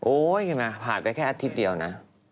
โอ๊ยเห็นไหมผ่านไปแค่อาทิตย์เดียวนะ